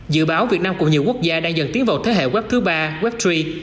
dự báo việt nam cùng nhiều quốc gia đang dần tiến vào thế hệ web thứ ba web tree